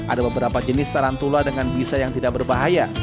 ada beberapa jenis tarantula dengan bisa yang tidak berbahaya